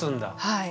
はい。